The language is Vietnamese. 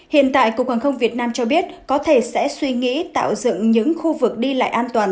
hiện tại cục hàng không việt nam cho biết có thể sẽ suy nghĩ tạo dựng những khu vực đi lại an toàn